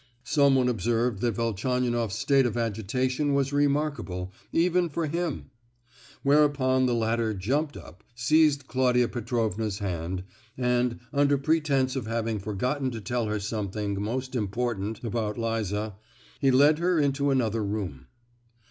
Someone observed that Velchaninoff's state of agitation was remarkable, even for him! Whereupon the latter jumped up, seized Claudia Petrovna's hand, and, under pretence of having forgotten to tell her something most important about Liza, he led her into another room.